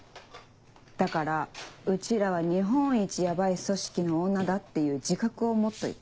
だからうちらは日本一ヤバい組織の女だっていう自覚を持っといて。